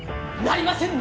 なりません！